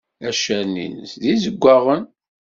Accaren-innes d izegwaɣen.